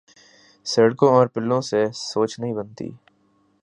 سڑکوں اور پلوں سے سوچ نہیں بنتی۔